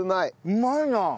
うまいな！